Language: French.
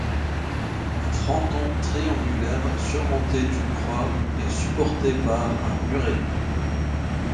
Un fronton triangulaire, surmonté d'une croix, est supporté par un muret.